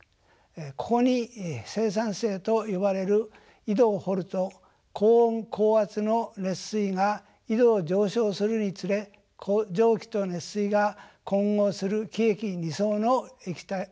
ここに生産井と呼ばれる井戸を掘ると高温高圧の熱水が井戸を上昇するにつれ蒸気と熱水が混合する気液二相の流体が出来ます。